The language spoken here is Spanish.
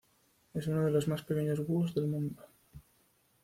Es uno de los más pequeños búhos del mundo.